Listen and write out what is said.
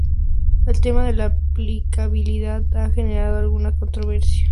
El tema de la aplicabilidad ha generado alguna controversia.